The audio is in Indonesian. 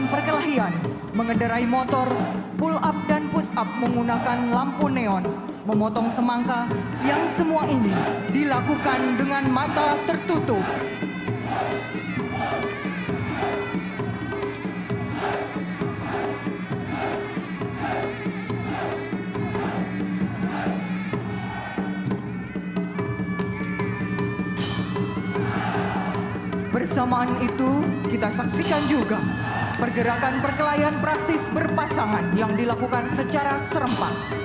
pergerakan perkelayan praktis berpasangan yang dilakukan secara serempak